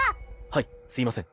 はいすいません。